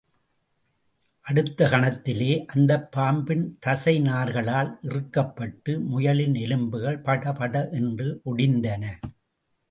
அடுத்த கணத்திலே அந்தப் பாம்பின் தசைநார்களால் இறுக்கப்பட்டு, முயலின் எலும்புகள் படபட என்று ஒடிந்தன.